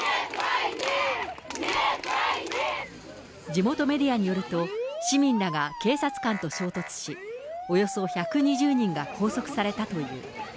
地元メディアによると、市民らが警察官と衝突し、およそ１２０人が拘束されたという。